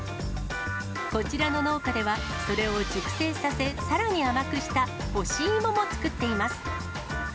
こちらの農家では、それを熟成させ、さらに甘くした干し芋も作っています。